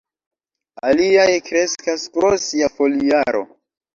Aliaj kreskas pro sia foliaro.